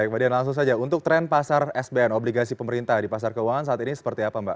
baik mbak dian langsung saja untuk tren pasar sbn obligasi pemerintah di pasar keuangan saat ini seperti apa mbak